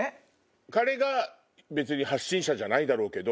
彼が別に発信者じゃないだろうけど。